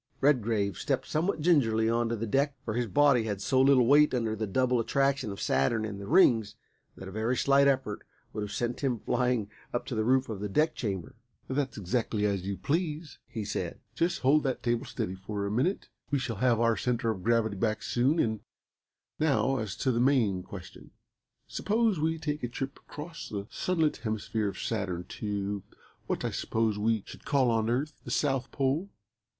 Redgrave stepped somewhat gingerly on to the deck, for his body had so little weight under the double attraction of Saturn and the Rings that a very slight effort would have sent him flying up to the roof of the deck chamber. "That's exactly as you please," he said, "just hold that table steady a minute. We shall have our centre of gravity back soon. And now, as to the main question, suppose we take a trip across the sunlit hemisphere of Saturn to, what I suppose we should call on Earth, the South Pole.